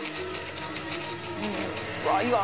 わいいわ。